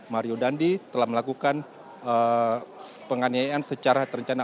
mario dandi telah melakukan penganiayaan secara terencana